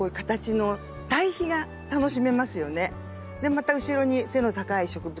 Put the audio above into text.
また後ろに背の高い植物